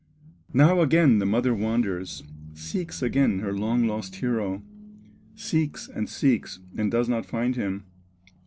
Now again the mother wanders, Seeks again her long lost hero, Seeks, and seeks, and does not find him.